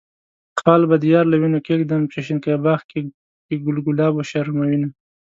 خال به د يار له وينو کيږدم، چې شينکي باغ کې ګل ګلاب وشرموينه.